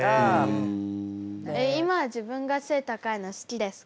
今は自分が背高いの好きですか？